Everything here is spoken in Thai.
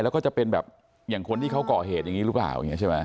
แล้วก็จะเป็นแบบอย่างคนที่เขาก่อเหตุอย่างนี้หรือเปล่าอย่างนี้ใช่ไหม